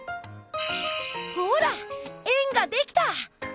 ほら円ができた！